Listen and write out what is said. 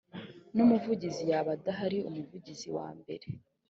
n umuvugizi yaba adahari umuvugizi wa mbere